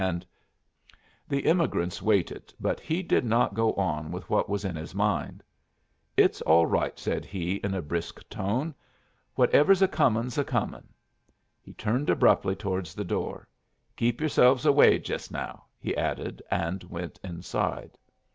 And " The emigrants waited, but he did not go on with what was in his mind. "It's all right," said he, in a brisk tone. "Whatever's a comin's a comin'." He turned abruptly towards the door. "Keep yerselves away jest now," he added, and went inside.